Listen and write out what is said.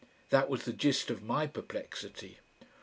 That was the gist of my perplexity.)